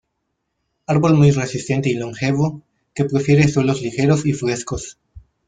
Árbol muy resistente y longevo que prefiere suelos ligeros y frescos.